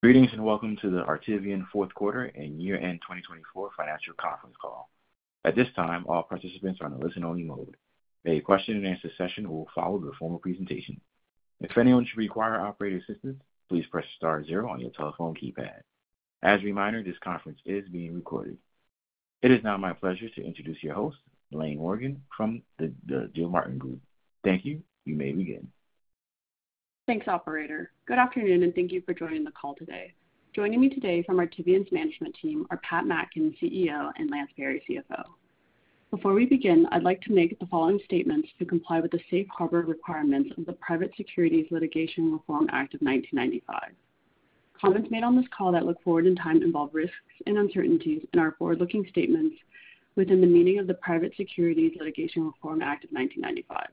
Greetings and welcome to the Artivion Q4 and Year End 2024 Financial Conference Call. At this time, all participants are in a listen-only mode. A question-and-answer session will follow the formal presentation. If anyone should require operator assistance, please press * zero on your telephone keypad. As a reminder, this conference is being recorded. It is now my pleasure to introduce your host, Elaine Morgan, from the Gilmartin Group. Thank you. You may begin. Thanks, Operator. Good afternoon, and thank you for joining the call today. Joining me today from Artivion's management team are Pat Mackin, CEO, and Lance Berry, CFO. Before we begin, I'd like to make the following statements to comply with the safe harbor requirements of the Private Securities Litigation Reform Act of 1995. Comments made on this call that look forward in time involve risks and uncertainties in our forward-looking statements within the meaning of the Private Securities Litigation Reform Act of 1995.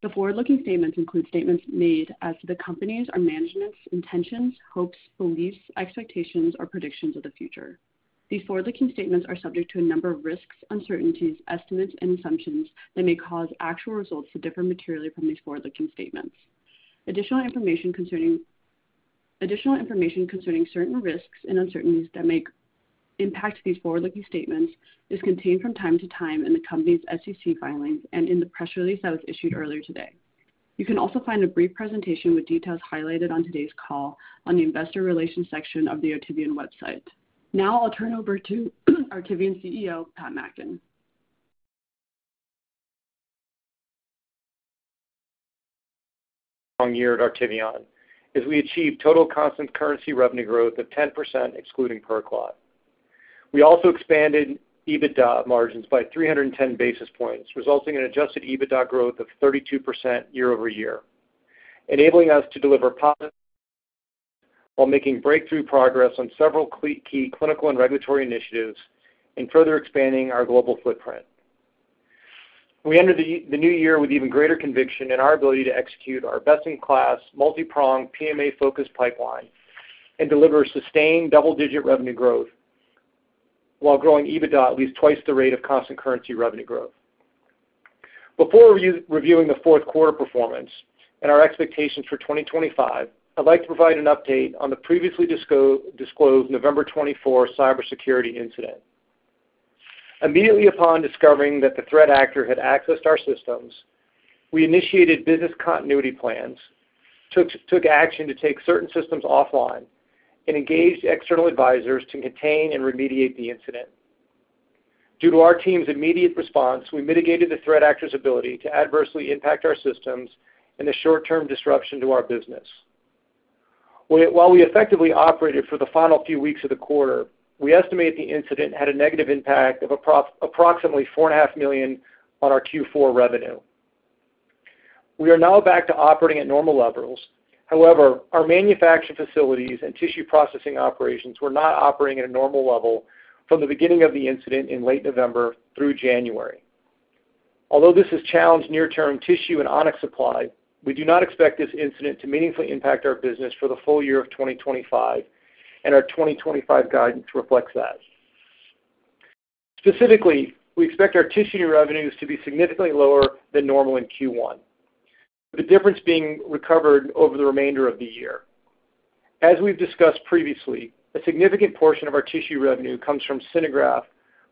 The forward-looking statements include statements made as to the company's or management's intentions, hopes, beliefs, expectations, or predictions of the future. These forward-looking statements are subject to a number of risks, uncertainties, estimates, and assumptions that may cause actual results to differ materially from these forward-looking statements. Additional information concerning certain risks and uncertainties that may impact these forward-looking statements is contained from time to time in the company's SEC filings and in the press release that was issued earlier today. You can also find a brief presentation with details highlighted on today's call on the investor relations section of the Artivion website. Now I'll turn over to Artivion CEO, Pat Mackin. Year at Artivion as we achieved total constant currency revenue growth of 10% excluding PerClot. We also expanded EBITDA margins by 310 basis points, resulting in adjusted EBITDA growth of 32% year over year, enabling us to deliver positive results while making breakthrough progress on several key clinical and regulatory initiatives and further expanding our global footprint. We enter the new year with even greater conviction in our ability to execute our best-in-class multi-prong PMA-focused pipeline and deliver sustained double-digit revenue growth while growing EBITDA at least twice the rate of constant currency revenue growth. Before reviewing the Q4 performance and our expectations for 2025, I'd like to provide an update on the previously disclosed November 24 cybersecurity incident. Immediately upon discovering that the threat actor had accessed our systems, we initiated business continuity plans, took action to take certain systems offline, and engaged external advisors to contain and remediate the incident. Due to our team's immediate response, we mitigated the threat actor's ability to adversely impact our systems and the short-term disruption to our business. While we effectively operated for the final few weeks of the quarter, we estimate the incident had a negative impact of approximately $4.5 million on our Q4 revenue. We are now back to operating at normal levels. However, our manufacturing facilities and tissue processing operations were not operating at a normal level from the beginning of the incident in late November through January. Although this has challenged near-term tissue and On-X supply, we do not expect this incident to meaningfully impact our business for the full year of 2025, and our 2025 guidance reflects that. Specifically, we expect our tissue revenues to be significantly lower than normal in Q1, the difference being recovered over the remainder of the year. As we've discussed previously, a significant portion of our tissue revenue comes from SynerGraft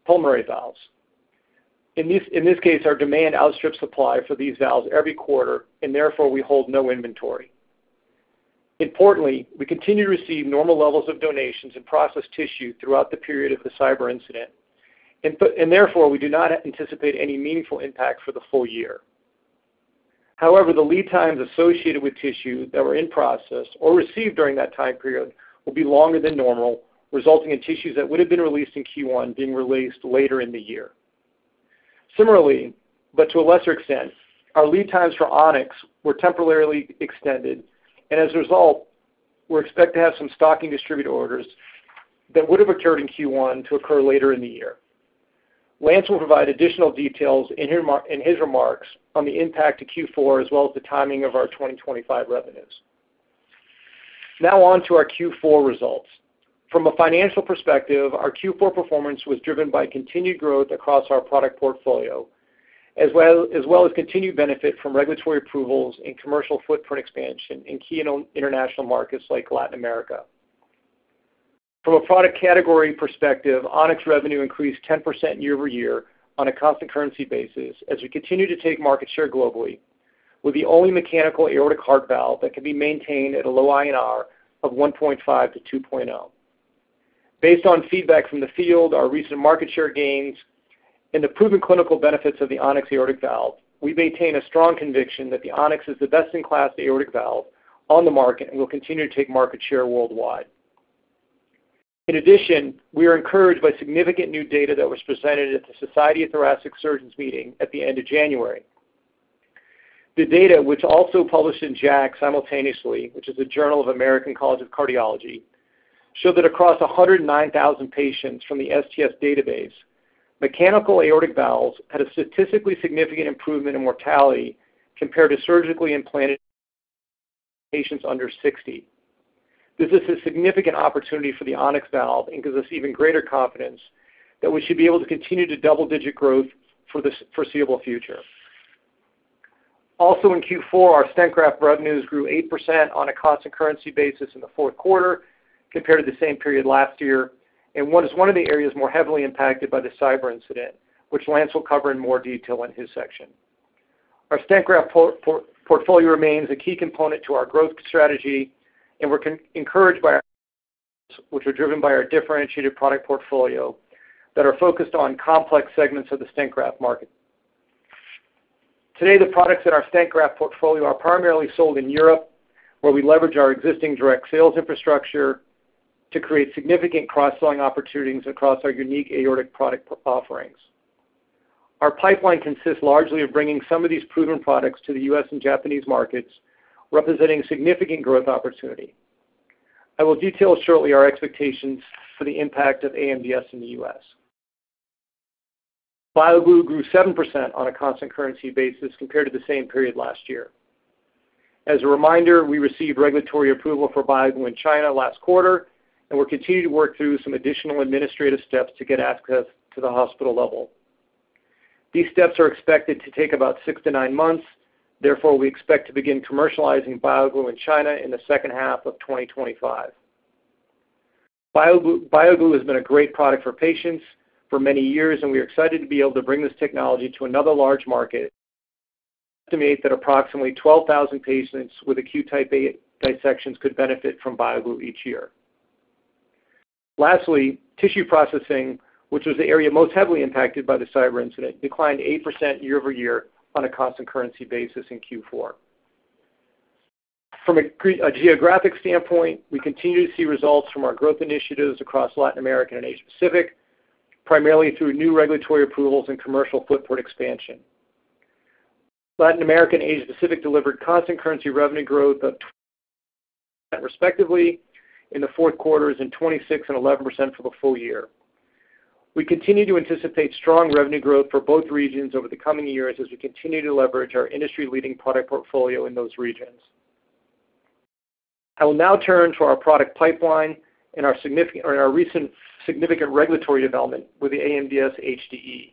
pulmonary valves. In this case, our demand outstrips supply for these valves every quarter, and therefore we hold no inventory. Importantly, we continue to receive normal levels of donations and processed tissue throughout the period of the cyber incident, and therefore we do not anticipate any meaningful impact for the full year. However, the lead times associated with tissue that were in process or received during that time period will be longer than normal, resulting in tissues that would have been released in Q1 being released later in the year. Similarly, but to a lesser extent, our lead times for On-X were temporarily extended, and as a result, we're expected to have some stocking distributor orders that would have occurred in Q1 to occur later in the year. Lance will provide additional details in his remarks on the impact to Q4 as well as the timing of our 2025 revenues. Now on to our Q4 results. From a financial perspective, our Q4 performance was driven by continued growth across our product portfolio, as well as continued benefit from regulatory approvals and commercial footprint expansion in key international markets like Latin America. From a product category perspective, On-X revenue increased 10% year over year on a Constant Currency basis as we continue to take market share globally, with the only mechanical aortic heart valve that can be maintained at a low INR of 1.5-2.0. Based on feedback from the field, our recent market share gains, and the proven clinical benefits of the On-X aortic valve, we maintain a strong conviction that the On-X is the best-in-class aortic valve on the market and will continue to take market share worldwide. In addition, we are encouraged by significant new data that was presented at the Society of Thoracic Surgeons meeting at the end of January. The data, which also published in JACC simultaneously, which is the Journal of the American College of Cardiology, showed that across 109,000 patients from the STS database, mechanical aortic valves had a statistically significant improvement in mortality compared to surgically implanted patients under 60. This is a significant opportunity for the On-X valve and gives us even greater confidence that we should be able to continue to double-digit growth for the foreseeable future. Also, in Q4, our stent graft revenues grew 8% on a constant currency basis in the Q4 compared to the same period last year, and was one of the areas more heavily impacted by the cyber incident, which Lance will cover in more detail in his section. Our stent graft portfolio remains a key component to our growth strategy, and we're encouraged by our differentiated product portfolio that are focused on complex segments of the stent graft market. Today, the products in our stent graft portfolio are primarily sold in Europe, where we leverage our existing direct sales infrastructure to create significant cross-selling opportunities across our unique aortic product offerings. Our pipeline consists largely of bringing some of these proven products to the U.S. and Japanese markets, representing significant growth opportunity. I will detail shortly our expectations for the impact of AMDS in the U.S. BioGlue grew 7% on a constant currency basis compared to the same period last year. As a reminder, we received regulatory approval for BioGlue in China last quarter, and we're continuing to work through some additional administrative steps to get access to the hospital level. These steps are expected to take about six to nine months. Therefore, we expect to begin commercializing BioGlue in China in the second half of 2025. BioGlue has been a great product for patients for many years, and we are excited to be able to bring this technology to another large market, estimating that approximately 12,000 patients with acute Type A dissections could benefit from BioGlue each year. Lastly, tissue processing, which was the area most heavily impacted by the cyber incident, declined 8% year over year on a constant currency basis in Q4. From a geographic standpoint, we continue to see results from our growth initiatives across Latin America and Asia-Pacific, primarily through new regulatory approvals and commercial footprint expansion. Latin America and Asia-Pacific delivered constant currency revenue growth of 26% and 11% respectively in the Q4 and for the full year. We continue to anticipate strong revenue growth for both regions over the coming years as we continue to leverage our industry-leading product portfolio in those regions. I will now turn to our product pipeline and our recent significant regulatory development with the AMDS HDE.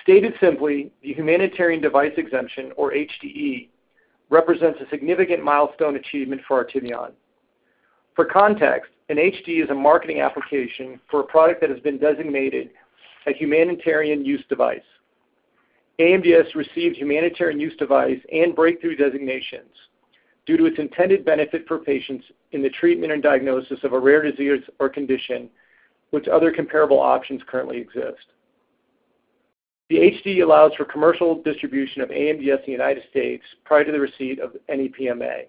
Stated simply, the humanitarian device exemption, or HDE, represents a significant milestone achievement for Artivion. For context, an HDE is a marketing application for a product that has been designated a humanitarian use device. AMDS received humanitarian use device and breakthrough designations due to its intended benefit for patients in the treatment and diagnosis of a rare disease or condition, which other comparable options currently exist. The HDE allows for commercial distribution of AMDS in the United States prior to the receipt of any PMA.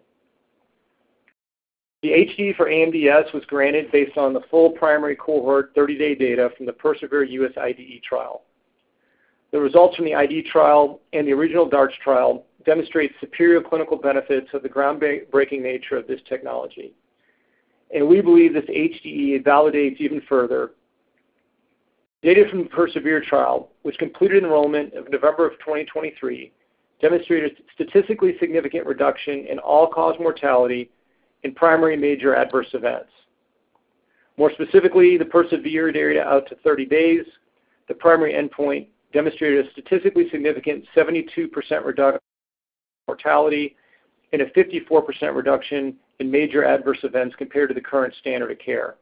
The HDE for AMDS was granted based on the full primary cohort 30-day data from the PERSEVERE US IDE trial. The results from the IDE trial and the original DARTS trial demonstrate superior clinical benefits of the groundbreaking nature of this technology. We believe this HDE validates even further. Data from the PERSEVERE trial, which completed enrollment in November of 2023, demonstrated statistically significant reduction in all-cause mortality in primary major adverse events. More specifically, the PERSEVERE era out to 30 days, the primary endpoint, demonstrated a statistically significant 72% reduction in mortality and a 54% reduction in major adverse events compared to the current standard of care.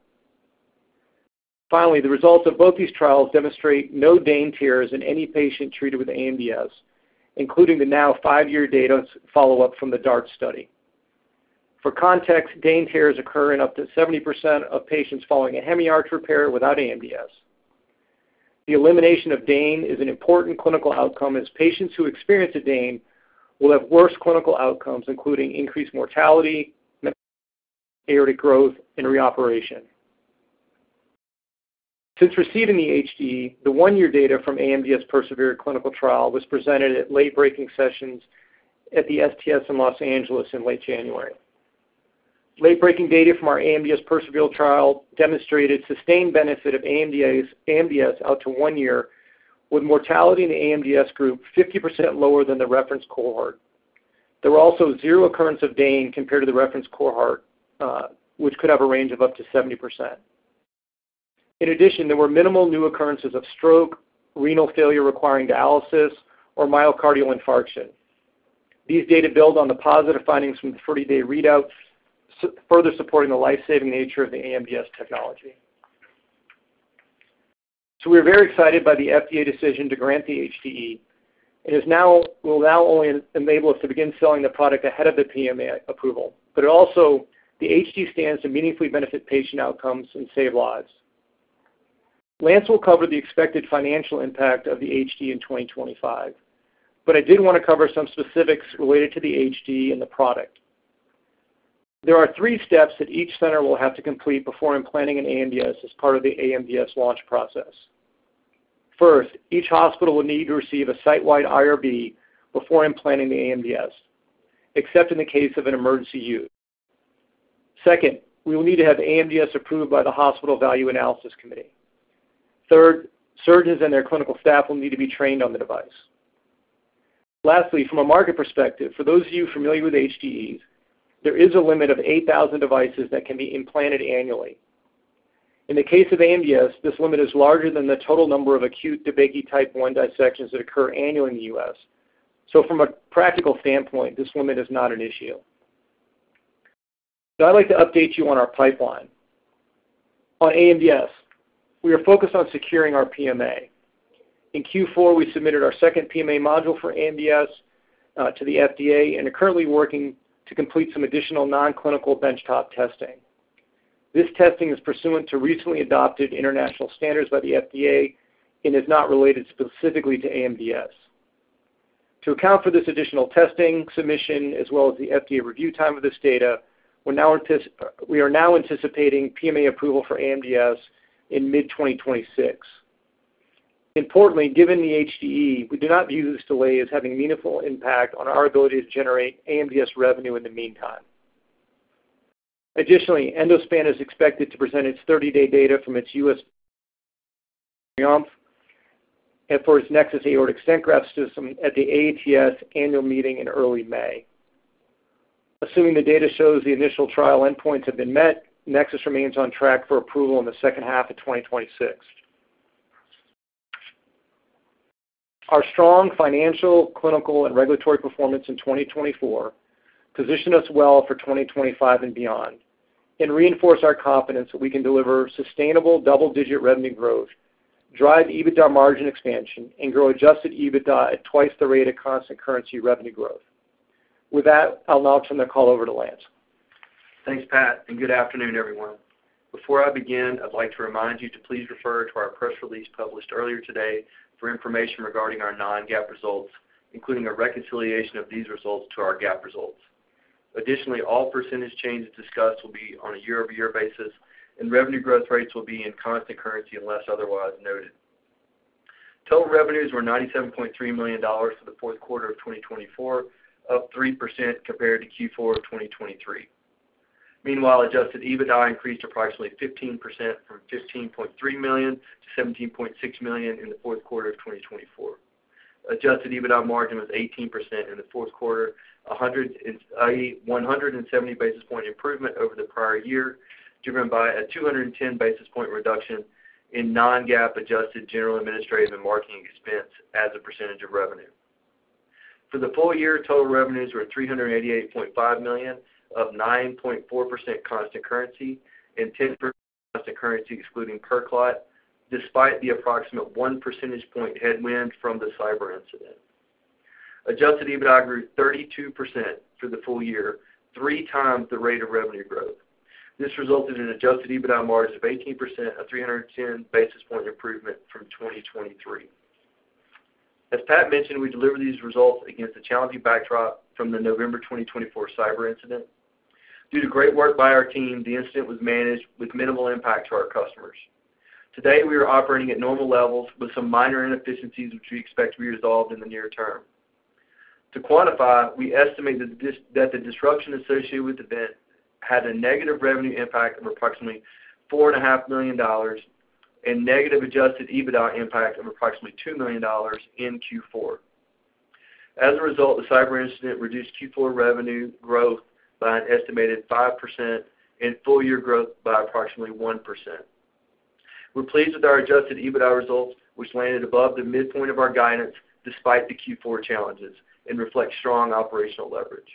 Finally, the results of both these trials demonstrate no DANE tears in any patient treated with AMDS, including the now five-year data follow-up from the DARTS study. For context, DANE tears occur in up to 70% of patients following a hemi-arch repair without AMDS. The elimination of DANE is an important clinical outcome as patients who experience a DANE will have worse clinical outcomes, including increased mortality, aortic growth, and reoperation. Since receiving the HDE, the one-year data from AMDS PERSEVERE clinical trial was presented at late-breaking sessions at the STS in Los Angeles in late January. Late-breaking data from our AMDS PERSEVERE trial demonstrated sustained benefit of AMDS out to one year, with mortality in the AMDS group 50% lower than the reference cohort. There were also zero occurrence of DANE compared to the reference cohort, which could have a range of up to 70%. In addition, there were minimal new occurrences of stroke, renal failure requiring dialysis, or myocardial infarction. These data build on the positive findings from the 30-day readouts, further supporting the lifesaving nature of the AMDS technology. We are very excited by the FDA decision to grant the HDE, and it will now only enable us to begin selling the product ahead of the PMA approval, but it also means the HDE stands to meaningfully benefit patient outcomes and save lives. Lance will cover the expected financial impact of the HDE in 2025, but I did want to cover some specifics related to the HDE and the product. There are three steps that each center will have to complete before implanting an AMDS as part of the AMDS launch process. First, each hospital will need to receive a site-wide IRB before implanting the AMDS, except in the case of an emergency use. Second, we will need to have AMDS approved by the Hospital Value Analysis Committee. Third, surgeons and their clinical staff will need to be trained on the device. Lastly, from a market perspective, for those of you familiar with HDEs, there is a limit of 8,000 devices that can be implanted annually. In the case of AMDS, this limit is larger than the total number of acute DeBakey Type I dissections that occur annually in the U.S. So from a practical standpoint, this limit is not an issue. So I'd like to update you on our pipeline. On AMDS, we are focused on securing our PMA. In Q4, we submitted our second PMA module for AMDS to the FDA, and are currently working to complete some additional non-clinical benchtop testing. This testing is pursuant to recently adopted international standards by the FDA and is not related specifically to AMDS. To account for this additional testing submission, as well as the FDA review time of this data, we are now anticipating PMA approval for AMDS in mid-2026. Importantly, given the HDE, we do not view this delay as having meaningful impact on our ability to generate AMDS revenue in the meantime. Additionally, Endospan is expected to present its 30-day data from its U.S. TRIUMPH trial for its Nexus aortic stent graft system at the AATS annual meeting in early May. Assuming the data shows the initial trial endpoints have been met, Nexus remains on track for approval in the second half of 2026. Our strong financial, clinical, and regulatory performance in 2024 positioned us well for 2025 and beyond and reinforced our confidence that we can deliver sustainable double-digit revenue growth, drive EBITDA margin expansion, and grow adjusted EBITDA at twice the rate of constant currency revenue growth. With that, I'll now turn the call over to Lance. Thanks, Pat, and good afternoon, everyone. Before I begin, I'd like to remind you to please refer to our press release published earlier today for information regarding our non-GAAP results, including a reconciliation of these results to our GAAP results. Additionally, all percentage changes discussed will be on a year-over-year basis, and revenue growth rates will be in constant currency unless otherwise noted. Total revenues were $97.3 million for the Q4 of 2024, up 3% compared to Q4 of 2023. Meanwhile, adjusted EBITDA increased approximately 15% from $15.3 million to $17.6 million in the Q4 of 2024. Adjusted EBITDA margin was 18% in the Q4, a 170 basis points improvement over the prior year, driven by a 210 basis points reduction in non-GAAP adjusted general administrative and marketing expense as a percentage of revenue. For the full year, total revenues were $388.5 million of 9.4% constant currency and 10% constant currency excluding PerClot, despite the approximate one percentage point headwind from the cyber incident. Adjusted EBITDA grew 32% for the full year, three times the rate of revenue growth. This resulted in an adjusted EBITDA margin of 18%, a 310 basis point improvement from 2023. As Pat mentioned, we delivered these results against a challenging backdrop from the November 2024 cyber incident. Due to great work by our team, the incident was managed with minimal impact to our customers. Today, we are operating at normal levels with some minor inefficiencies, which we expect to be resolved in the near term. To quantify, we estimate that the disruption associated with the event had a negative revenue impact of approximately $4.5 million and negative adjusted EBITDA impact of approximately $2 million in Q4. As a result, the cyber incident reduced Q4 revenue growth by an estimated 5% and full-year growth by approximately 1%. We're pleased with our Adjusted EBITDA result, which landed above the midpoint of our guidance despite the Q4 challenges and reflects strong operational leverage.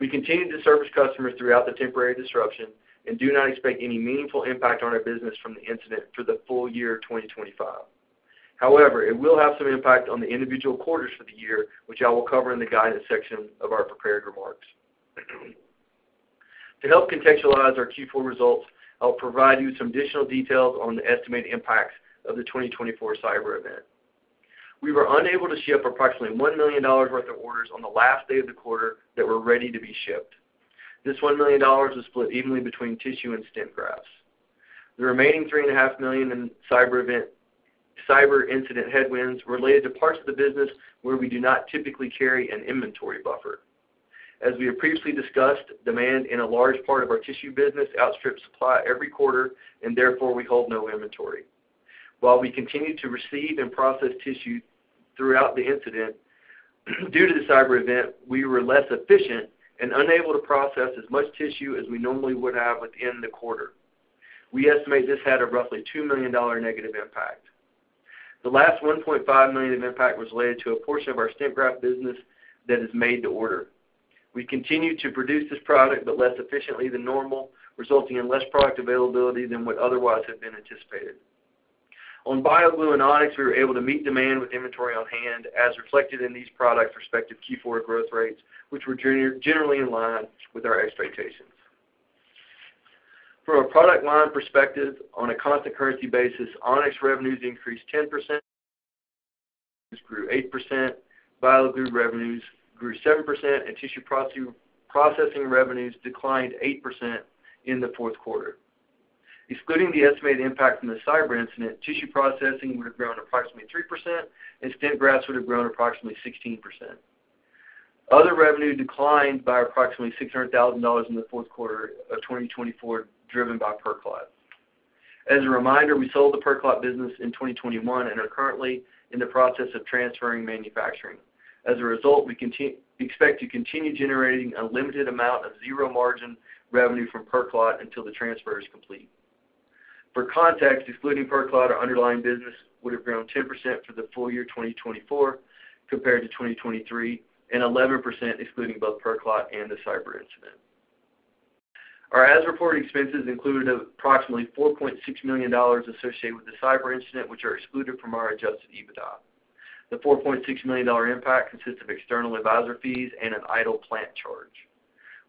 We continue to service customers throughout the temporary disruption and do not expect any meaningful impact on our business from the incident for the full year of 2025. However, it will have some impact on the individual quarters for the year, which I will cover in the guidance section of our prepared remarks. To help contextualize our Q4 results, I'll provide you with some additional details on the estimated impacts of the 2024 cyber event. We were unable to ship approximately $1 million worth of orders on the last day of the quarter that were ready to be shipped. This $1 million was split evenly between tissue and stent grafts. The remaining $3.5 million in cyber incident headwinds related to parts of the business where we do not typically carry an inventory buffer. As we have previously discussed, demand in a large part of our tissue business outstrips supply every quarter, and therefore we hold no inventory. While we continued to receive and process tissue throughout the incident, due to the cyber event, we were less efficient and unable to process as much tissue as we normally would have within the quarter. We estimate this had a roughly $2 million negative impact. The last $1.5 million of impact was related to a portion of our stent graft business that is made to order. We continued to produce this product, but less efficiently than normal, resulting in less product availability than would otherwise have been anticipated. BioGlue and On-X, we were able to meet demand with inventory on hand, as reflected in these products' respective Q4 growth rates, which were generally in line with our expectations. From a product line perspective, on a constant currency basis, On-X revenues increased 10%, grew 8%, BioGlue revenues grew 7%, and tissue processing revenues declined 8% in the Q4. Excluding the estimated impact from the cyber incident, tissue processing would have grown approximately 3%, and stent grafts would have grown approximately 16%. Other revenue declined by approximately $600,000 in the Q4 of 2024, driven by PerClot. As a reminder, we sold the PerClot business in 2021 and are currently in the process of transferring manufacturing. As a result, we expect to continue generating a limited amount of zero-margin revenue from PerClot until the transfer is complete. For context, excluding PerClot, our underlying business would have grown 10% for the full year 2024 compared to 2023, and 11% excluding both PerClot and the cyber incident. Our as-reported expenses included approximately $4.6 million associated with the cyber incident, which are excluded from our adjusted EBITDA. The $4.6 million impact consists of external advisor fees and an idle plant charge.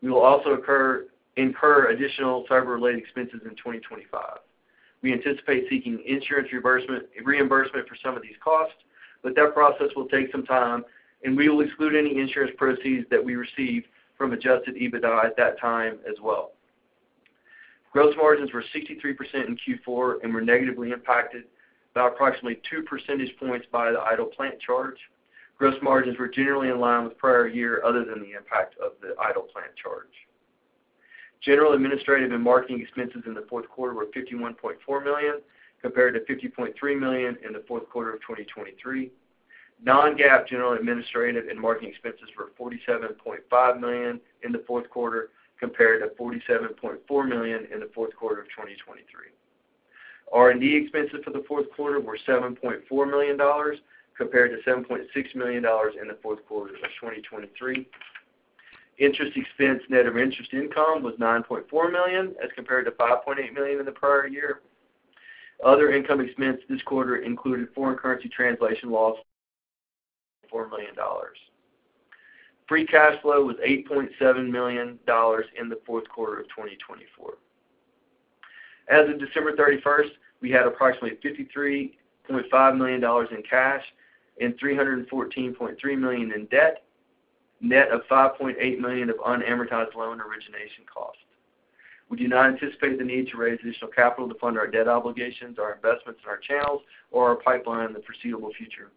We will also incur additional cyber-related expenses in 2025. We anticipate seeking insurance reimbursement for some of these costs, but that process will take some time, and we will exclude any insurance proceeds that we receive from adjusted EBITDA at that time as well. Gross margins were 63% in Q4 and were negatively impacted by approximately 2 percentage points by the idle plant charge. Gross margins were generally in line with prior year other than the impact of the idle plant charge. General administrative and marketing expenses in the Q4 were $51.4 million compared to $50.3 million in the Q4 of 2023. Non-GAAP general administrative and marketing expenses were $47.5 million in the Q4 compared to $47.4 million in the Q4 of 2023. R&D expenses for the Q4 were $7.4 million compared to $7.6 million in the Q4 of 2023. Interest expense, net of interest income, was $9.4 million as compared to $5.8 million in the prior year. Other income expenses this quarter included foreign currency translation loss of $4 million. Free cash flow was $8.7 million in the Q4 of 2024. As of December 31st, we had approximately $53.5 million in cash and $314.3 million in debt, net of $5.8 million of unamortized loan origination costs. We do not anticipate the need to raise additional capital to fund our debt obligations, our investments in our channels, or our pipeline in the foreseeable future.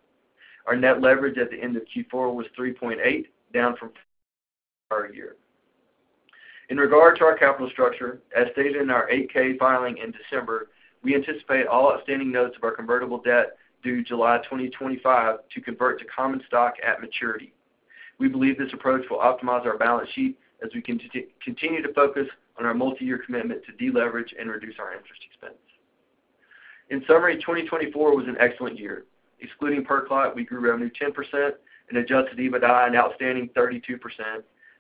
Our net leverage at the end of Q4 was 3.8, down from prior year. In regard to our capital structure, as stated in our 8-K filing in December, we anticipate all outstanding notes of our convertible debt due July 2025 to convert to common stock at maturity. We believe this approach will optimize our balance sheet as we can continue to focus on our multi-year commitment to deleverage and reduce our interest expense. In summary, 2024 was an excellent year. Excluding PerClot, we grew revenue 10%, and adjusted EBITDA an outstanding 32%,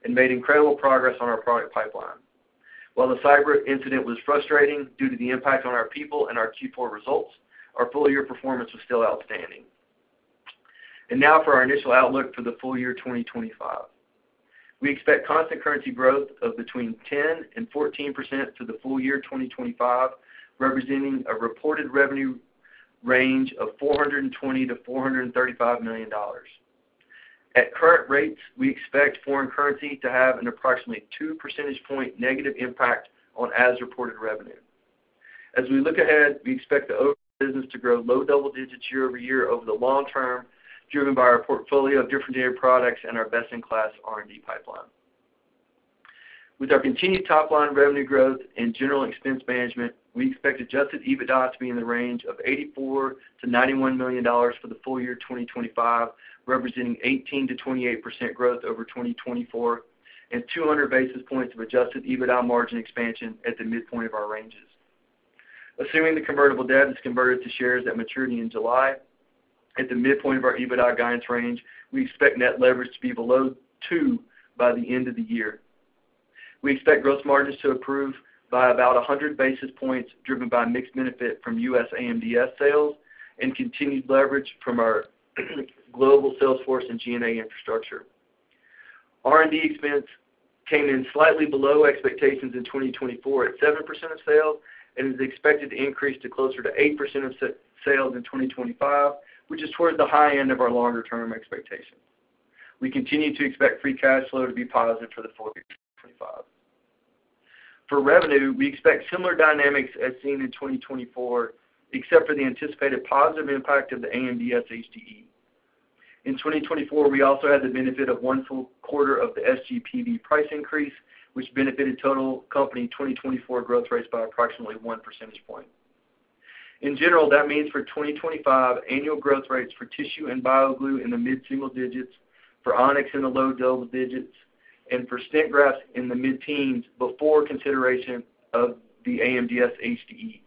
and made incredible progress on our product pipeline. While the cyber incident was frustrating due to the impact on our people and our Q4 results, our full-year performance was still outstanding, and now for our initial outlook for the full year 2025. We expect Constant Currency growth of between 10% and 14% for the full year 2025, representing a reported revenue range of $420 million-$435 million. At current rates, we expect foreign currency to have an approximate 2 percentage point negative impact on as-reported revenue. As we look ahead, we expect the business to grow low double digits year over year over the long term, driven by our portfolio of different products and our best-in-class R&D pipeline. With our continued top-line revenue growth and general expense management, we expect Adjusted EBITDA to be in the range of $84 million-$91 million for the full year 2025, representing 18%-28% growth over 2024, and 200 basis points of Adjusted EBITDA margin expansion at the midpoint of our ranges. Assuming the convertible debt is converted to shares at maturity in July, at the midpoint of our EBITDA guidance range, we expect net leverage to be below 2 by the end of the year. We expect gross margins to improve by about 100 basis points, driven by mix benefit from U.S. AMDS sales and continued leverage from our global sales force and G&A infrastructure. R&D expense came in slightly below expectations in 2024 at 7% of sales, and is expected to increase to closer to 8% of sales in 2025, which is towards the high end of our longer-term expectation. We continue to expect free cash flow to be positive for the full year 2025. For revenue, we expect similar dynamics as seen in 2024, except for the anticipated positive impact of the AMDS HDE. In 2024, we also had the benefit of one full quarter of the SGPV price increase, which benefited total company 2024 growth rates by approximately 1 percentage point. In general, that means for 2025, annual growth rates for tissue and BioGlue in the mid-single digits, for On-X in the low double digits, and for stent grafts in the mid-teens before consideration of the AMDS HDE.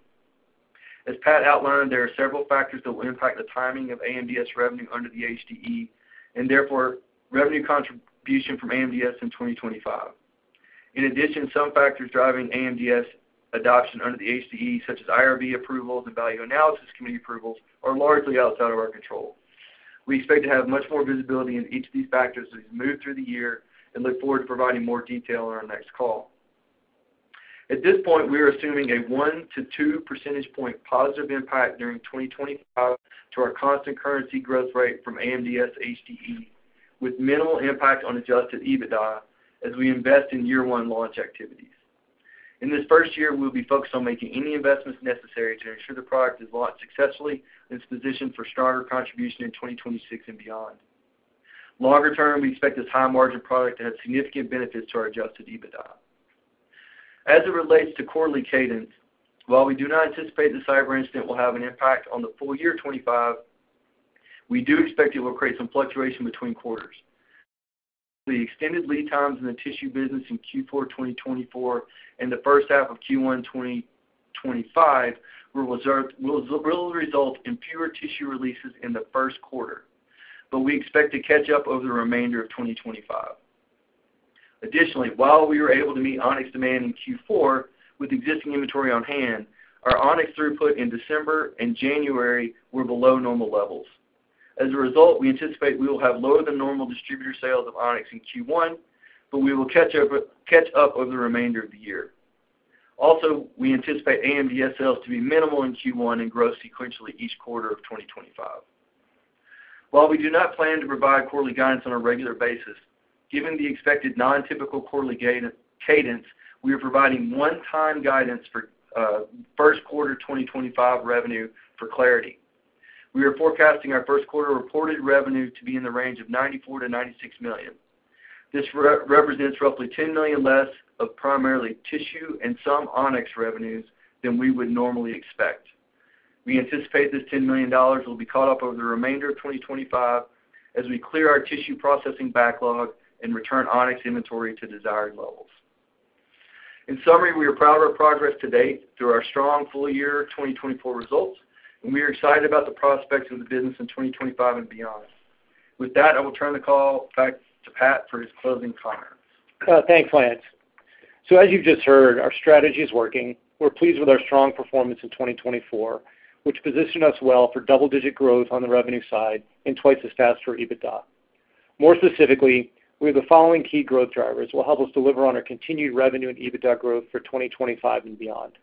As Pat outlined, there are several factors that will impact the timing of AMDS revenue under the HDE, and therefore revenue contribution from AMDS in 2025. In addition, some factors driving AMDS adoption under the HDE, such as IRB approvals and value analysis committee approvals, are largely outside of our control. We expect to have much more visibility in each of these factors as we move through the year and look forward to providing more detail on our next call. At this point, we are assuming a one to two percentage point positive impact during 2025 to our constant currency growth rate from AMDS HDE, with minimal impact on Adjusted EBITDA as we invest in year-one launch activities. In this first year, we will be focused on making any investments necessary to ensure the product is launched successfully and is positioned for stronger contribution in 2026 and beyond. Longer term, we expect this high-margin product to have significant benefits to our Adjusted EBITDA. As it relates to quarterly cadence, while we do not anticipate the cyber incident will have an impact on the full year 2025, we do expect it will create some fluctuation between quarters. The extended lead times in the tissue business in Q4 2024 and the first half of Q1 2025 will result in fewer tissue releases in the Q1, but we expect to catch up over the remainder of 2025. Additionally, while we were able to meet On-X demand in Q4 with existing inventory on hand, our On-X throughput in December and January were below normal levels. As a result, we anticipate we will have low to the normal distributor sales of On-X in Q1, but we will catch up over the remainder of the year. Also, we anticipate AMDS sales to be minimal in Q1 and grow sequentially each quarter of 2025. While we do not plan to provide quarterly guidance on a regular basis, given the expected non-typical quarterly cadence, we are providing one-time guidance for Q1 2025 revenue for clarity. We are forecasting our Q1 reported revenue to be in the range of $94 million-96 million. This represents roughly $10 million less of primarily tissue and some On-X revenues than we would normally expect. We anticipate this $10 million will be caught up over the remainder of 2025 as we clear our tissue processing backlog and return On-X inventory to desired levels. In summary, we are proud of our progress to date through our strong full-year 2024 results, and we are excited about the prospects of the business in 2025 and beyond. With that, I will turn the call back to Pat for his closing comments. Thanks, Lance. So, as you just heard, our strategy is working. We're pleased with our strong performance in 2024, which positioned us well for double-digit growth on the revenue side and twice as fast for EBITDA. More specifically, we have the following key growth drivers that will help us deliver on our continued revenue and EBITDA growth for 2025 and beyond.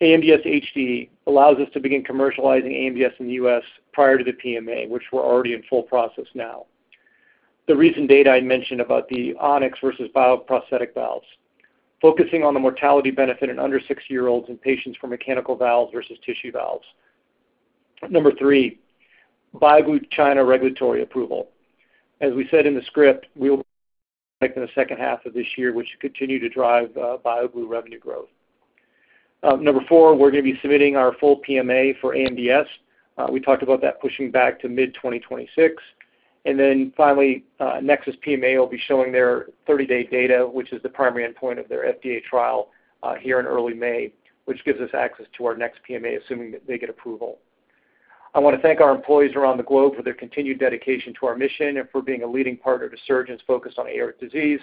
AMDS HDE allows us to begin commercializing AMDS in the U.S. prior to the PMA, which we're already in full process now. The recent data I mentioned about the On-X versus bioprosthetic valves, focusing on the mortality benefit in under 60-year-olds and patients for mechanical valves versus tissue valves. Number three, BioGlue China regulatory approval. As we said in the script, we will be in the second half of this year, which will continue to drive BioGlue revenue growth. Number four, we're going to be submitting our full PMA for AMDS. We talked about that pushing back to mid-2026. And then finally, Nexus PMA will be showing their 30-day data, which is the primary endpoint of their FDA trial here in early May, which gives us access to our next PMA, assuming that they get approval. I want to thank our employees around the globe for their continued dedication to our mission and for being a leading partner to surgeons focused on aortic disease.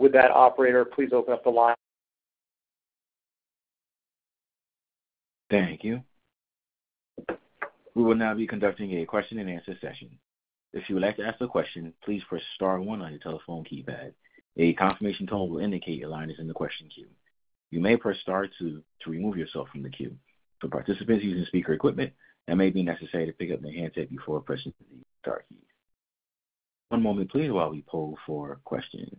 With that, Operator, please open up the line. Thank you. We will now be conducting a question-and-answer session. If you would like to ask a question, please press * 1 on your telephone keypad.A confirmation tone will indicate your line is in the question queue. You may press * 2 to remove yourself from the queue. For participants using speaker equipment, it may be necessary to pick up their handset before pressing the Star key. One moment, please, while we poll for questions.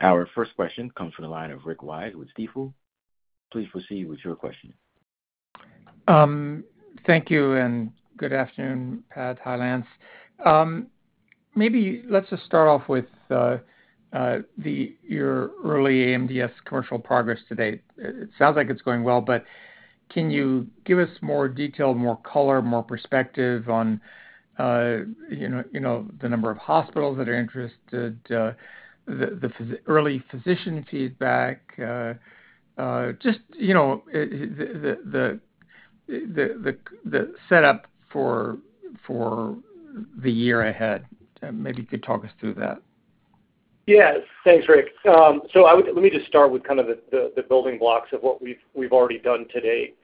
Our first question comes from the line of Rick Wise with Stifel. Please proceed with your question. Thank you and good afternoon, Pat Mackin. Maybe let's just start off with your early AMDS commercial progress to date. It sounds like it's going well, but can you give us more detail, more color, more perspective on the number of hospitals that are interested, the early physician feedback, just the setup for the year ahead? Maybe you could talk us through that. Yeah, thanks, Rick. Let me just start with kind of the building blocks of what we've already done to date.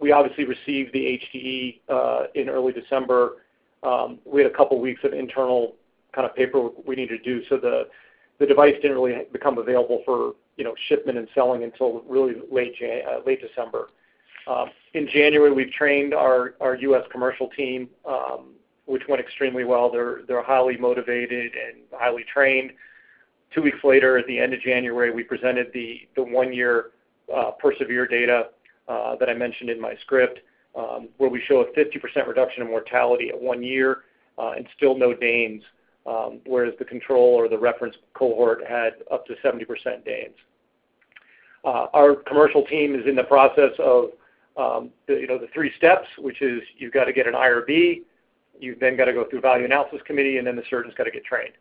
We obviously received the HDE in early December. We had a couple of weeks of internal kind of paperwork we needed to do, so the device didn't really become available for shipment and selling until really late December. In January, we've trained our U.S. commercial team, which went extremely well. They're highly motivated and highly trained. Two weeks later, at the end of January, we presented the one-year PERSEVERE data that I mentioned in my script, where we show a 50% reduction in mortality at one year and still no DANEs, whereas the control or the reference cohort had up to 70% DANEs. Our commercial team is in the process of the three steps, which is you've got to get an IRB, you've then got to go through Value Analysis Committee, and then the surgeon's got to get trained.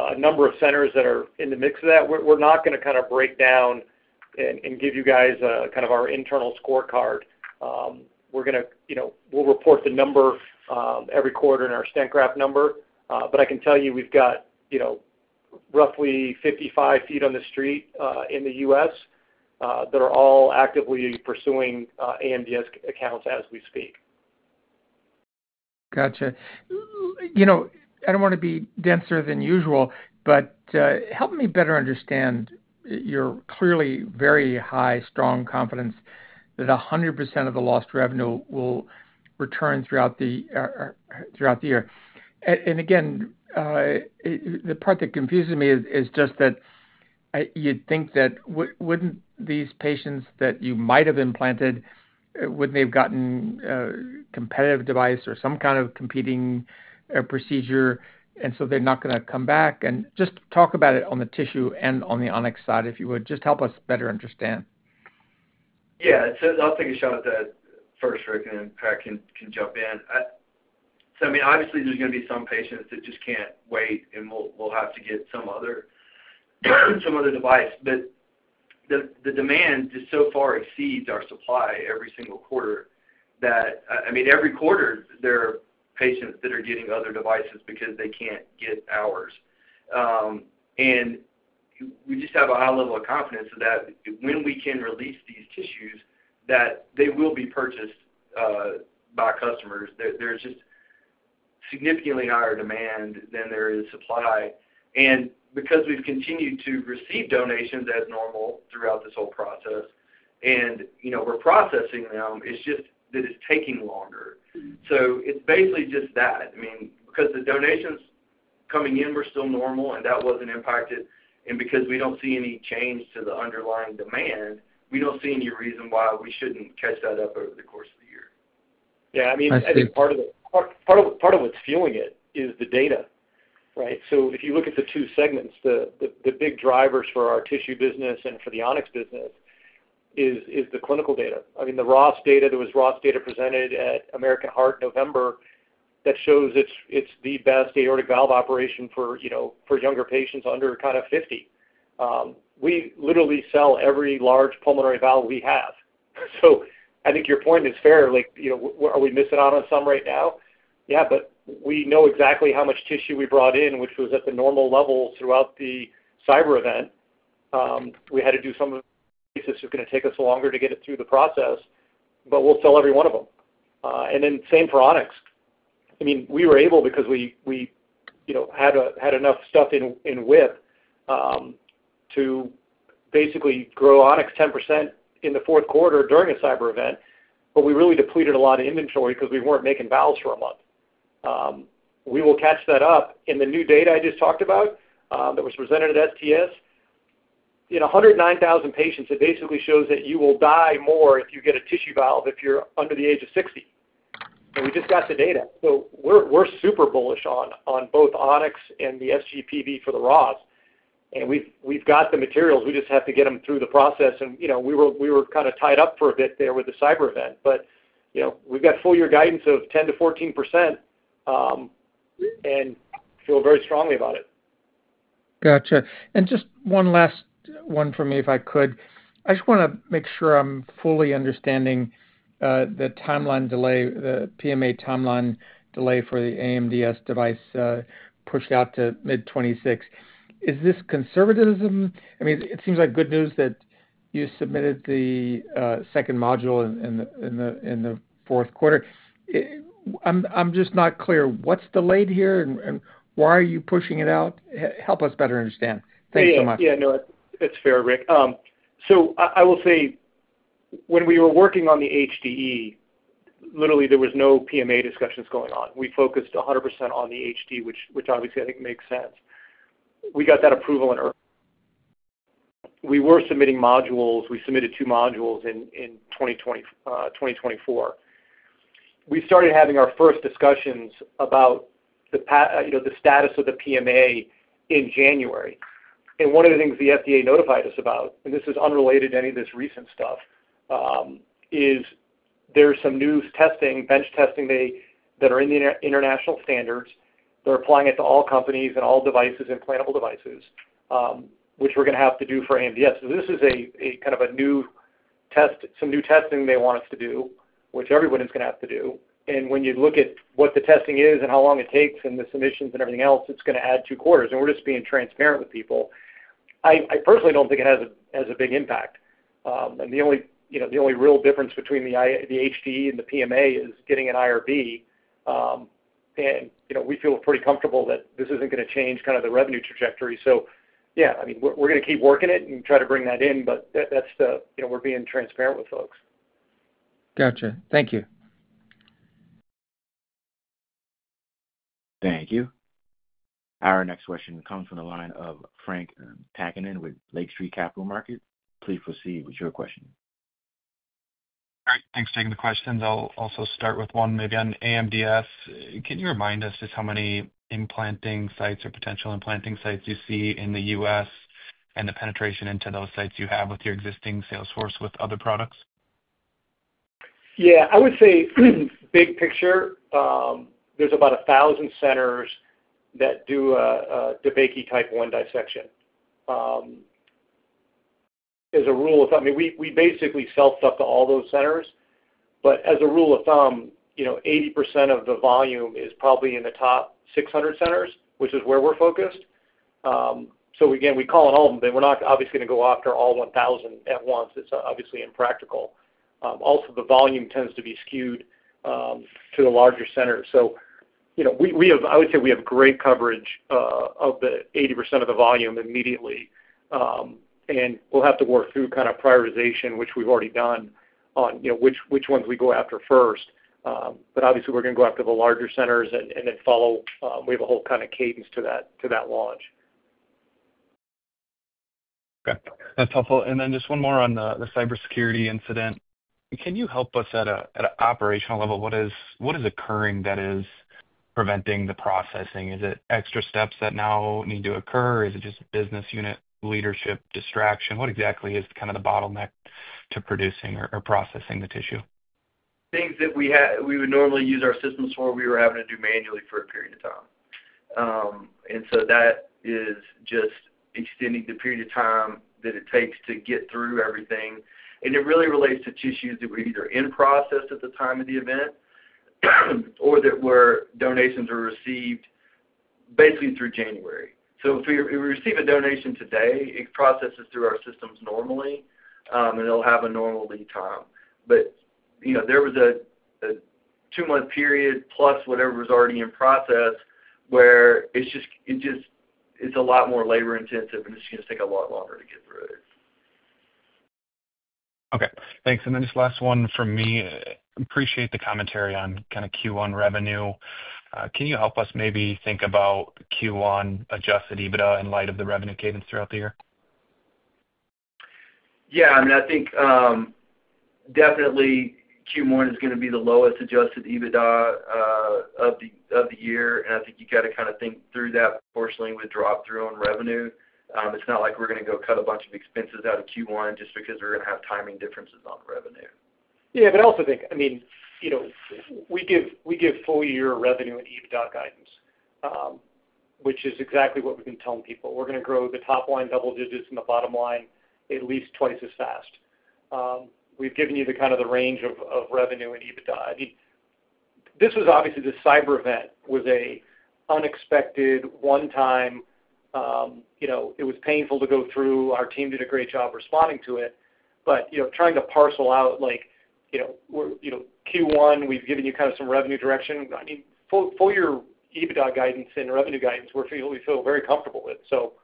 A number of centers that are in the mix of that, we're not going to kind of break down and give you guys kind of our internal scorecard. We'll report the number every quarter in our stent graft number, but I can tell you we've got roughly 55 feet on the street in the U.S. that are all actively pursuing AMDS accounts as we speak. Gotcha. I don't want to be denser than usual, but help me better understand your clearly very high, strong confidence that 100% of the lost revenue will return throughout the year. And again, the part that confuses me is just that you'd think that wouldn't these patients that you might have implanted, wouldn't they have gotten a competitive device or some kind of competing procedure, and so they're not going to come back? And just talk about it on the tissue and on the On-X side, if you would. Just help us better understand. Yeah, so I'll take a shot at that first, Rick, and then Pat can jump in. So, I mean, obviously, there's going to be some patients that just can't wait, and we'll have to get some other device. But the demand just so far exceeds our supply every single quarter that, I mean, every quarter, there are patients that are getting other devices because they can't get ours. We just have a high level of confidence that when we can release these tissues, that they will be purchased by customers. There's just significantly higher demand than there is supply. And because we've continued to receive donations as normal throughout this whole process and we're processing them, it's just that it's taking longer. So it's basically just that. I mean, because the donations coming in were still normal, and that wasn't impacted. And because we don't see any change to the underlying demand, we don't see any reason why we shouldn't catch that up over the course of the year. Yeah, I mean, I think part of what's fueling it is the data, right? So if you look at the two segments, the big drivers for our tissue business and for the On-X business is the clinical data. I mean, the Ross data, there was Ross data presented at American Heart November that shows it's the best aortic valve operation for younger patients under kind of 50. We literally sell every large pulmonary valve we have. So I think your point is fair. Are we missing out on some right now? Yeah, but we know exactly how much tissue we brought in, which was at the normal level throughout the cyber event. We had to do some of the pieces that's just going to take us longer to get it through the process, but we'll sell every one of them. Then same for On-X. I mean, we were able because we had enough stuff in WIP to basically grow On-X 10% in the Q4 during a cyber event, but we really depleted a lot of inventory because we weren't making valves for a month. We will catch that up. In the new data I just talked about that was presented at STS, 109,000 patients, it basically shows that you will die more if you get a tissue valve if you're under the age of 60. We just got the data. We're super bullish on both On-X and the SGPV for the Ross. We've got the materials. We just have to get them through the process. We were kind of tied up for a bit there with the cyber event, but we've got full-year guidance of 10%-14% and feel very strongly about it. Gotcha. Just one last one for me, if I could. I just want to make sure I'm fully understanding the timeline delay, the PMA timeline delay for the AMDS device pushed out to mid-2026. Is this conservatism? I mean, it seems like good news that you submitted the second module in the Q4. I'm just not clear. What's delayed here and why are you pushing it out? Help us better understand. Thanks so much. Yeah, no, it's fair, Rick. So I will say, when we were working on the HDE, literally, there were no PMA discussions going on. We focused 100% on the HDE, which obviously, I think, makes sense. We got that approval in early. We were submitting modules. We submitted two modules in 2024. We started having our first discussions about the status of the PMA in January, and one of the things the FDA notified us about, and this is unrelated to any of this recent stuff, is there's some new testing, bench testing that are in the international standards. They're applying it to all companies and all devices, implantable devices, which we're going to have to do for AMDS. So this is kind of some new testing they want us to do, which everyone is going to have to do. And when you look at what the testing is and how long it takes and the submissions and everything else, it's going to add two quarters. And we're just being transparent with people. I personally don't think it has a big impact. And the only real difference between the HDE and the PMA is getting an IRB. And we feel pretty comfortable that this isn't going to change kind of the revenue trajectory. So, yeah, I mean, we're going to keep working it and try to bring that in, but that's why we're being transparent with folks. Gotcha. Thank you. Thank you. Our next question comes from the line of Frank Takkinen with Lake Street Capital Markets. Please proceed with your question. All right. Thanks for taking the questions. I'll also start with one again, AMDS. Can you remind us just how many implanting sites or potential implanting sites you see in the U.S. and the penetration into those sites you have with your existing sales force with other products? Yeah, I would say big picture, there's about 1,000 centers that do a DeBakey Type I dissection. As a rule of thumb, I mean, we basically sell to all those centers. But as a rule of thumb, 80% of the volume is probably in the top 600 centers, which is where we're focused. So, again, we call on all of them. We're not obviously going to go after all 1,000 at once. It's obviously impractical. Also, the volume tends to be skewed to the larger centers. So I would say we have great coverage of the 80% of the volume immediately. And we'll have to work through kind of prioritization, which we've already done, on which ones we go after first. But obviously, we're going to go after the larger centers and then follow. We have a whole kind of cadence to that launch. Okay. That's helpful. And then just one more on the cybersecurity incident. Can you help us at an operational level? What is occurring that is preventing the processing? Is it extra steps that now need to occur? Is it just business unit leadership distraction? What exactly is kind of the bottleneck to producing or processing the tissue? Things that we would normally use our systems for, we were having to do manually for a period of time. And so that is just extending the period of time that it takes to get through everything. And it really relates to tissues that were either in process at the time of the event or that donations were received basically through January. So if we receive a donation today, it's processed through our systems normally, and it'll have a normal lead time. But there was a two-month period plus whatever was already in process where it's a lot more labor-intensive, and it's going to take a lot longer to get through it. Okay. Thanks. And then just last one from me. Appreciate the commentary on kind of Q1 revenue. Can you help us maybe think about Q1 Adjusted EBITDA in light of the revenue cadence throughout the year? Yeah. I mean, I think definitely Q1 is going to be the lowest Adjusted EBITDA of the year. I think you've got to kind of think through that, unfortunately, with flow-through on revenue. It's not like we're going to go cut a bunch of expenses out of Q1 just because we're going to have timing differences on revenue. Yeah, but I also think, I mean, we give full-year revenue and EBITDA guidance, which is exactly what we've been telling people. We're going to grow the top line double digits and the bottom line at least twice as fast. We've given you kind of the range of revenue and EBITDA. I mean, this was obviously the cyber event was an unexpected one-time. It was painful to go through. Our team did a great job responding to it. But trying to parcel out like Q1, we've given you kind of some revenue direction. I mean, full-year EBITDA guidance and revenue guidance, we feel very comfortable with, so.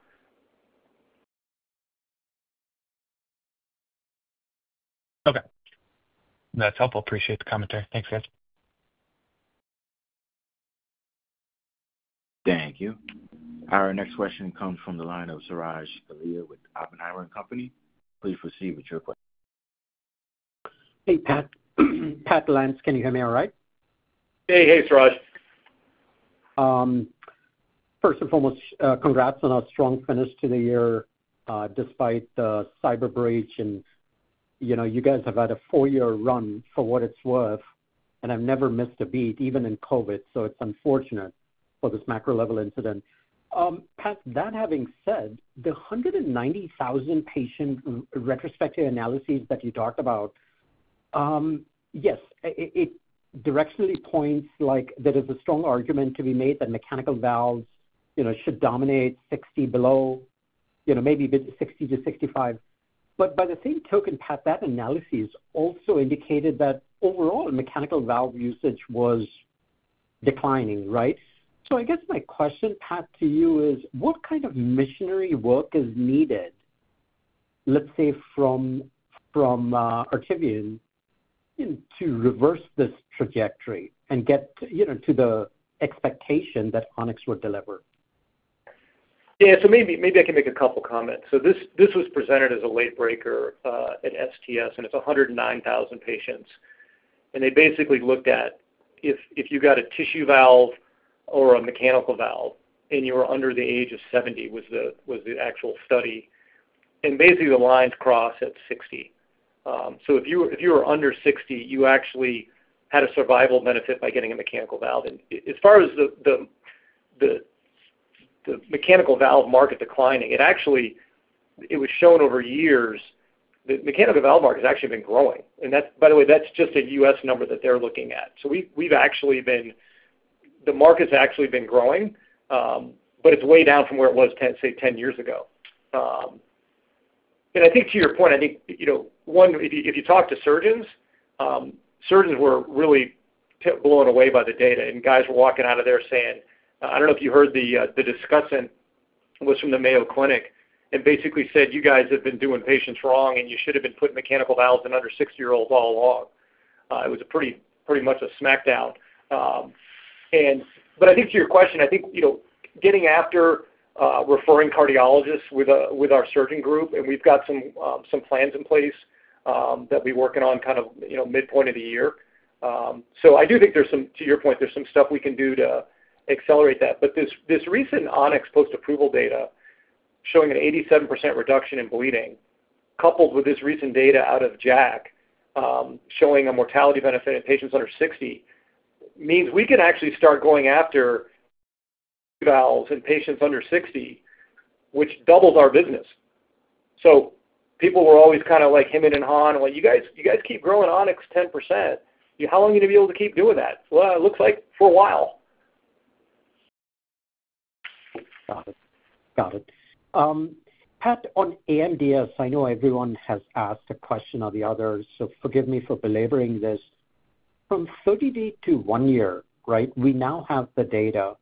Okay. That's helpful. Appreciate the commentary. Thanks, guys. Thank you. Our next question comes from the line of Suraj Kalia with Oppenheimer & Company. Please proceed with your question. Hey, Pat. Pat, Lance, can you hear me all right? Hey, hey, Suraj. First and foremost, congrats on our strong finish to the year despite the cyber breach. And you guys have had a four-year run for what it's worth, and I've never missed a beat, even in COVID. So it's unfortunate for this macro-level incident. Pat, that having said, the 190,000 patient retrospective analyses that you talked about, yes, it directionally points like there is a strong argument to be made that mechanical valves should dominate 60 below, maybe 60 to 65. But by the same token, Pat, that analysis also indicated that overall mechanical valve usage was declining, right? So I guess my question, Pat, to you is, what kind of missionary work is needed, let's say, from Artivion to reverse this trajectory and get to the expectation that On-X would deliver? Yeah, so maybe I can make a couple of comments. So this was presented as a late breaker at STS, and it's 109,000 patients. And they basically looked at if you got a tissue valve or a mechanical valve, and you were under the age of 70 was the actual study. And basically, the lines cross at 60. So if you were under 60, you actually had a survival benefit by getting a mechanical valve. And as far as the mechanical valve market declining, it actually was shown over years that the mechanical valve market has actually been growing. And by the way, that's just a U.S. number that they're looking at. So we've actually been the market's actually been growing, but it's way down from where it was, say, 10 years ago. And I think to your point, I think, one, if you talk to surgeons, surgeons were really blown away by the data. And guys were walking out of there saying, I don't know if you heard the discussion was from the Mayo Clinic, and basically said, "You guys have been doing patients wrong, and you should have been putting mechanical valves in under 60-year-olds all along." It was pretty much a smackdown. But I think to your question, I think getting after referring cardiologists with our surgeon group, and we've got some plans in place that we're working on kind of midpoint of the year. So I do think there's some, to your point, there's some stuff we can do to accelerate that. But this recent On-X post-approval data showing an 87% reduction in bleeding, coupled with this recent data out of JACC showing a mortality benefit in patients under 60, means we can actually start going after valves in patients under 60, which doubles our business. So people were always kind of like hemming and hawing, "Well, you guys keep growing On-X 10%. How long are you going to be able to keep doing that?" Well, it looks like for a while. Got it. Got it. Pat, on AMDS, I know everyone has asked a question or the other, so forgive me for belaboring this. From 30 days to one year, right, we now have the data.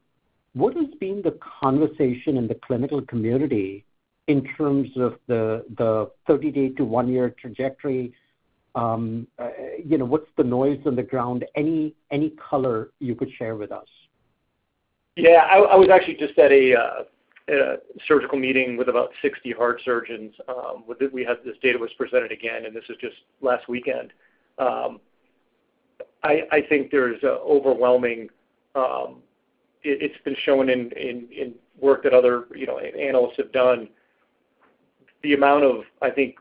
What has been the conversation in the clinical community in terms of the 30-day-to-one-year trajectory? What's the noise on the ground? Any color you could share with us? Yeah. I was actually just at a surgical meeting with about 60 heart surgeons. We had this data was presented again, and this was just last weekend. I think there's an overwhelming it's been shown in work that other analysts have done. The amount of, I think,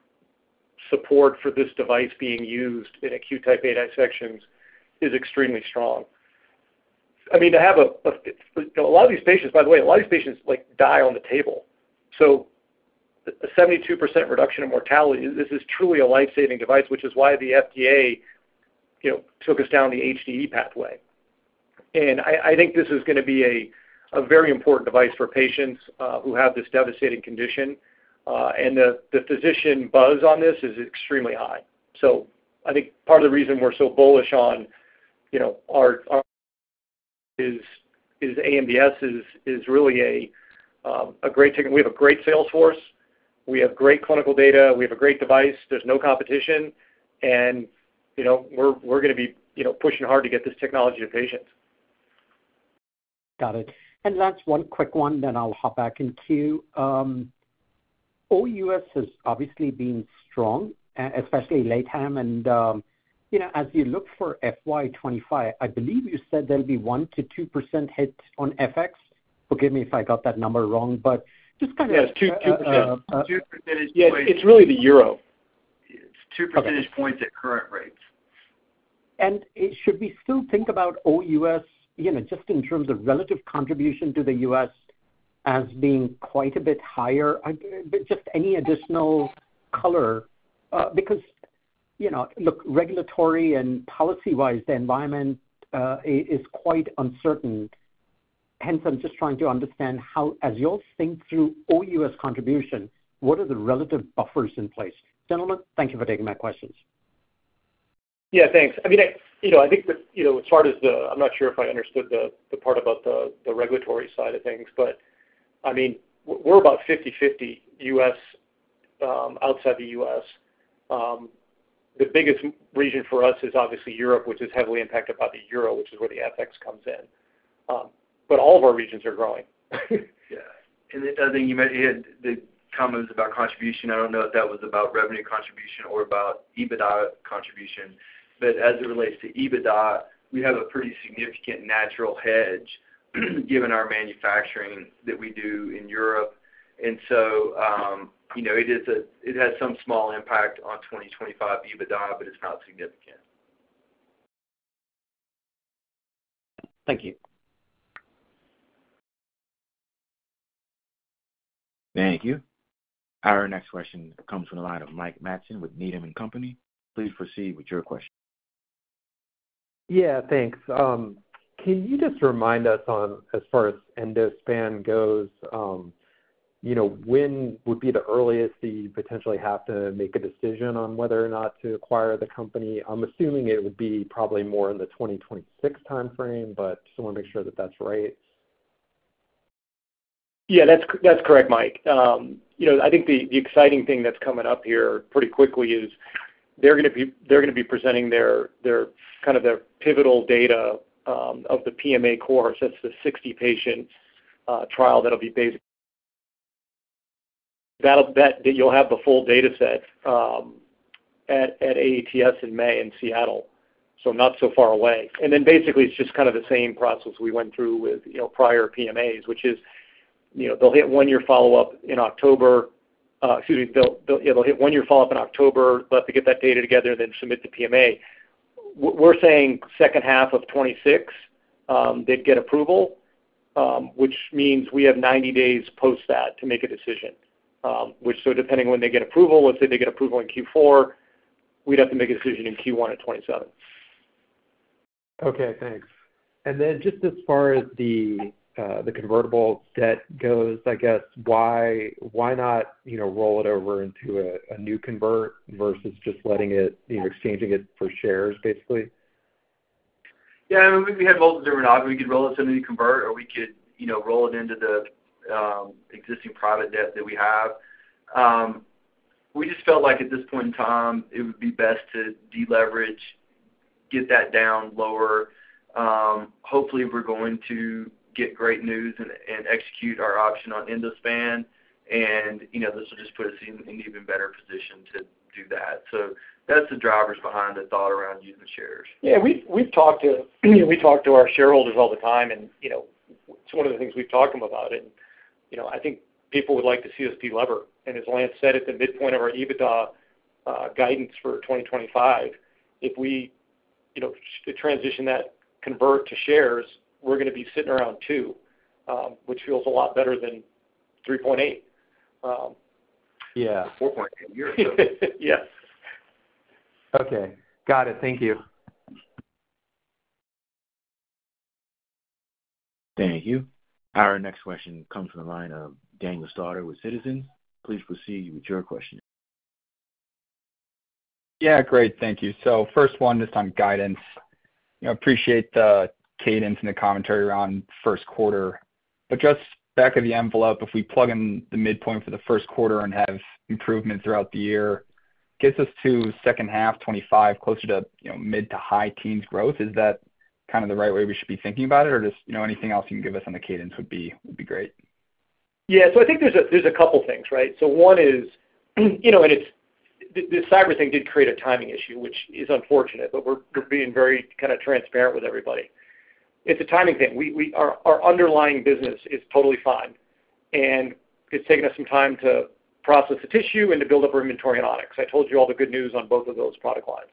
support for this device being used in acute Type A dissections is extremely strong. I mean, to have a lot of these patients, by the way, a lot of these patients die on the table. So a 72% reduction in mortality, this is truly a life-saving device, which is why the FDA took us down the HDE pathway. And I think this is going to be a very important device for patients who have this devastating condition. And the physician buzz on this is extremely high. I think part of the reason we're so bullish on AMDS is really a great technique. We have a great sales force. We have great clinical data. We have a great device. There's no competition. And we're going to be pushing hard to get this technology to patients. Got it. Last one, quick one, then I'll hop back in queue. OUS has obviously been strong, especially late term. As you look for FY25, I believe you said there'll be 1% to 2% hit on FX. Forgive me if I got that number wrong, but just kind of. Yeah, it's 2%. 2% is quite. Yeah, it's really the euro. It's 2% at current rates. Should we still think about OUS just in terms of the relative contribution to the U.S. as being quite a bit higher? Just any additional color? Because, look, regulatory and policy-wise, the environment is quite uncertain. Hence, I'm just trying to understand how, as you all think through OUS contribution, what are the relative buffers in place? Gentlemen, thank you for taking my questions. Yeah, thanks. I mean, I think the chart is. I'm not sure if I understood the part about the regulatory side of things, but I mean, we're about 50/50 US outside the US. The biggest region for us is obviously Europe, which is heavily impacted by the euro, which is where the FX comes in. But all of our regions are growing. Yeah. The other thing you mentioned, the comment was about contribution. I don't know if that was about revenue contribution or about EBITDA contribution. But as it relates to EBITDA, we have a pretty significant natural hedge given our manufacturing that we do in Europe. So it has some small impact on 2025 EBITDA, but it's not significant. Thank you. Thank you. Our next question comes from the line of Mike Matson with Needham & Company. Please proceed with your question. Yeah, thanks. Can you just remind us on, as far as Endospan goes, when would be the earliest you potentially have to make a decision on whether or not to acquire the company? I'm assuming it would be probably more in the 2026 timeframe, but just want to make sure that that's right. Yeah, that's correct, Mike. I think the exciting thing that's coming up here pretty quickly is they're going to be presenting their kind of pivotal data of the PMA process. That's the 60-patient trial that'll be basically that you'll have the full data set at AATS in May in Seattle. So not so far away. And then basically, it's just kind of the same process we went through with prior PMAs, which is they'll hit one-year follow-up in October. Excuse me. Yeah, they'll hit one-year follow-up in October, let them get that data together, and then submit the PMA. We're saying second half of 2026, they'd get approval, which means we have 90 days post-that to make a decision. So depending on when they get approval, let's say they get approval in Q4, we'd have to make a decision in Q1 at 2027. Okay, thanks. And then just as far as the convertible debt goes, I guess, why not roll it over into a new convert versus just letting it exchange for shares, basically? Yeah, we had multiple different options. We could roll it to a new convert, or we could roll it into the existing private debt that we have. We just felt like at this point in time, it would be best to deleverage, get that down lower. Hopefully, we're going to get great news and execute our option on Endospan. And this will just put us in an even better position to do that. So that's the drivers behind the thought around using shares. Yeah, we've talked to our shareholders all the time, and it's one of the things we've talked to them about. And I think people would like to see us deliver. And as Lance said, at the midpoint of our EBITDA guidance for 2025, if we transition that convert to shares, we're going to be sitting around 2, which feels a lot better than 3.8. Yeah. 4.8 years ago. Yeah. Okay. Got it. Thank you. Thank you. Our next question comes from the line of Daniel Stauder with Citizens. Please proceed with your question. Yeah, great. Thank you. So first one, just on guidance. Appreciate the cadence and the commentary around Q1. But just back of the envelope, if we plug in the midpoint for the Q1 and have improvement throughout the year, gets us to second half 2025, closer to mid- to high-teens growth. Is that kind of the right way we should be thinking about it? Or just anything else you can give us on the cadence would be great. Yeah. So I think there's a couple of things, right? So one is, and the cyber thing did create a timing issue, which is unfortunate, but we're being very kind of transparent with everybody. It's a timing thing. Our underlying business is totally fine. And it's taken us some time to process the tissue and to build up our inventory in On-X. I told you all the good news on both of those product lines.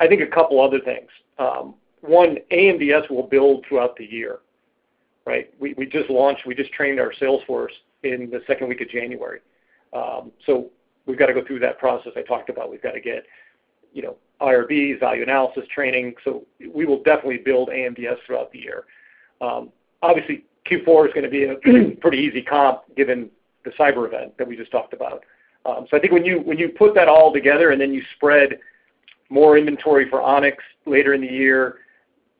I think a couple of other things. One, AMDS will build throughout the year, right? We just launched. We just trained our salesforce in the second week of January. So we've got to go through that process I talked about. We've got to get IRBs, value analysis training. So we will definitely build AMDS throughout the year. Obviously, Q4 is going to be a pretty easy comp given the cyber event that we just talked about. So I think when you put that all together and then you spread more inventory for On-X later in the year,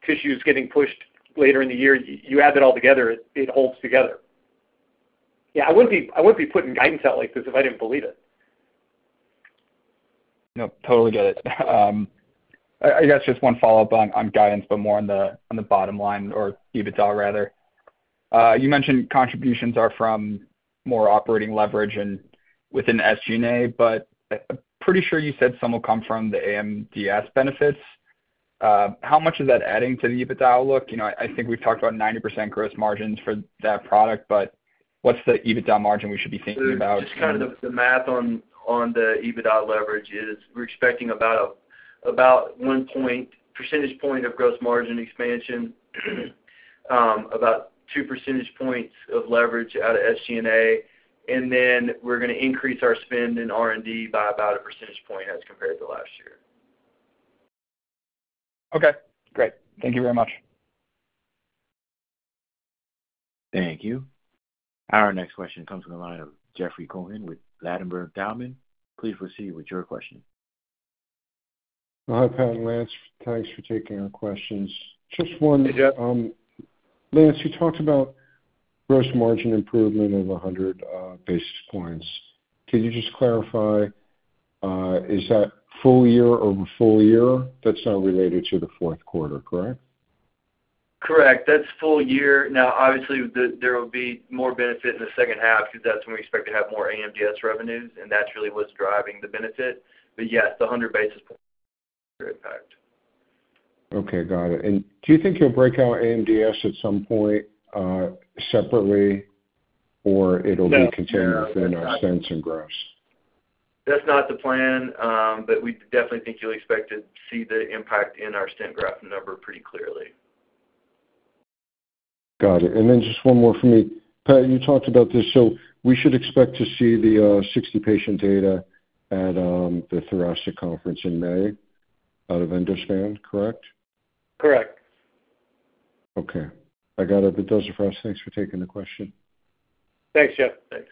tissue is getting pushed later in the year, you add that all together, it holds together. Yeah, I wouldn't be putting guidance out like this if I didn't believe it. No, totally get it. I guess just one follow-up on guidance, but more on the bottom line or EBITDA rather. You mentioned contributions are from more operating leverage and within SG&A, but I'm pretty sure you said some will come from the AMDS benefits. How much is that adding to the EBITDA outlook? I think we've talked about 90% gross margins for that product, but what's the EBITDA margin we should be thinking about? Just kind of the math on the EBITDA leverage is we're expecting about a one-point percentage point of gross margin expansion, about two percentage points of leverage out of SG&A. And then we're going to increase our spend in R&D by about a percentage point as compared to last year. Okay. Great. Thank you very much. Thank you. Our next question comes from the line of Jeffrey Cohen with Ladenburg Thalmann. Please proceed with your question. Hi, Pat. Lance, thanks for taking our questions. Just one. Lance, you talked about gross margin improvement of 100 basis points. Can you just clarify, is that full year over full year? That's not related to the Q4, correct? Correct. That's full year. Now, obviously, there will be more benefit in the second half because that's when we expect to have more AMDS revenues, and that's really what's driving the benefit. But yes, the 100 basis point impact. Okay. Got it. And do you think you'll break out AMDS at some point separately, or it'll be continued within our stents and grafts? That's not the plan, but we definitely think you'll expect to see the impact in our stent graft number pretty clearly. Got it. And then just one more for me. Pat, you talked about this. So we should expect to see the 60-patient data at the thoracic conference in May out of Endospan, correct? Correct. Okay. I got it, [inaudible] thanks for taking the question. Thanks, Jeff. Thanks.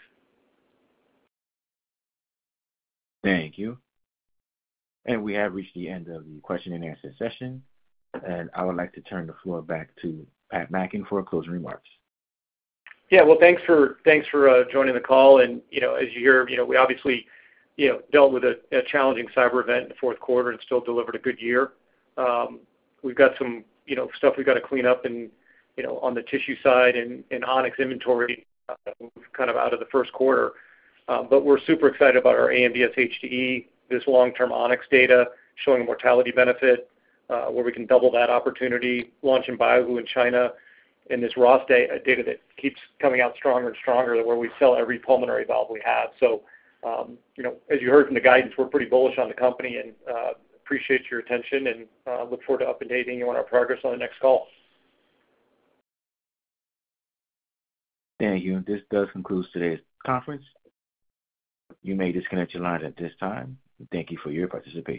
Thank you. And we have reached the end of the question and answer session. And I would like to turn the floor back to Pat Mackin for closing remarks. Yeah. Well, thanks for joining the call. And as you hear, we obviously dealt with a challenging cyber event in the Q4 and still delivered a good year. We've got some stuff we've got to clean up on the tissue side and On-X inventory kind of out of the Q1. But we're super excited about our AMDS HDE, this long-term On-X data showing a mortality benefit where we can double that opportunity, launch of BioGlue in China, and this Ross data that keeps coming out stronger and stronger where we sell every pulmonary valve we have. So as you heard from the guidance, we're pretty bullish on the company and appreciate your attention and look forward to updating you on our progress on the next call. Thank you. And this does conclude today's conference. You may disconnect your line at this time. Thank you for your participation.